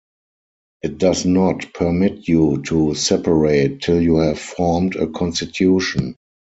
It does not permit you to separate till you have formed a constitution.